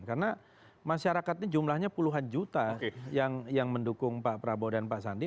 karena masyarakatnya jumlahnya puluhan juta yang mendukung pak prabowo dan pak sadiq